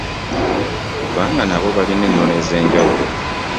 Kubanga nabo balina ennono ez'enjawulo .